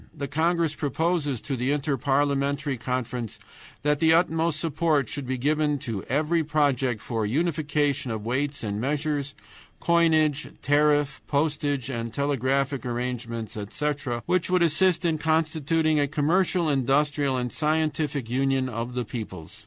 The congress proposes to the Inter parliamentary Conference that the utmost support should be given to every project for unification of weights and measures, coinage, tariff, postage, and telegraphic arrangements, etc., which would assist in constituting a commercial, industrial, and scientific union of the peoples.